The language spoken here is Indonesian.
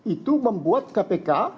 itu membuat kpk